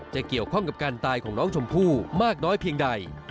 เกี่ยวข้องกับการตายของน้องชมพู่มากน้อยเพียงใด